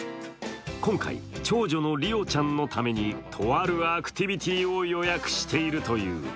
今回、長女の梨緒ちゃんのためにとあるアクティビティーを予約しているという。